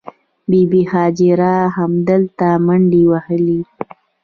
بې بي هاجرې همدلته منډې وهلې.